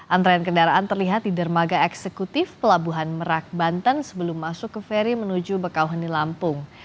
antrean kendaraan terlihat di dermaga eksekutif pelabuhan merak banten sebelum masuk ke ferry menuju bekauheni lampung